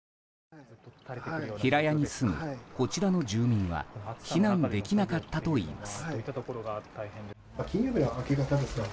平屋に住む、こちらの住民は避難できなかったといいます。